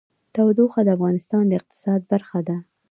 تودوخه د افغانستان د اقتصاد برخه ده.